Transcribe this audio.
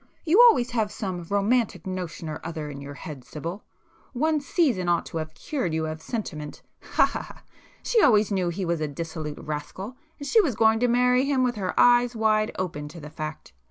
"You always have some romantic notion or other in your head Sibyl,—one 'season' ought to have cured you of sentiment—ha ha ha! She always knew he was a dissolute rascal, and she was going to marry him with her eyes wide open to the fact.